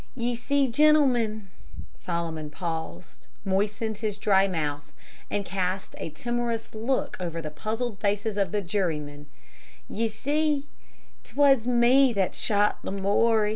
Ye see, gentlemen," Solomon paused, moistened his dry mouth, and cast a timorous look over the puzzled faces of the jurymen, "ye see, 't was me that shot Lamoury."